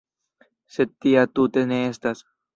Sed tia tute ne estas.